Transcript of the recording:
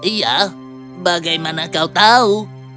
iya bagaimana kau tahu